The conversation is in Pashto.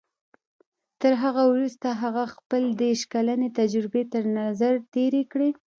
تر هغه وروسته هغه خپلې دېرش کلنې تجربې تر نظر تېرې کړې.